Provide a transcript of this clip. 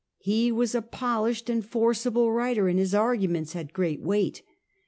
He was a polished and forcible writer and his arguments had great weight.